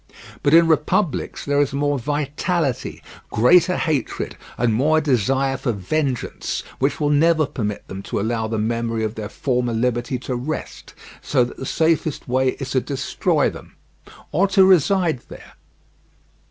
But in republics there is more vitality, greater hatred, and more desire for vengeance, which will never permit them to allow the memory of their former liberty to rest; so that the safest way is to destroy them or to reside there.